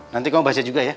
nanti kamu baca juga ya